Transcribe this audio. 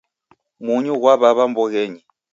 Munyu ghwaw'aw'a mboghenyi